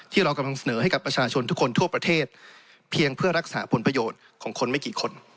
ที่เรากำลังเสนอให้กับประชาชนทุกคนทั่วประเทศเพียงเพื่อรักษาผลประโยชน์ของคนไม่กี่คน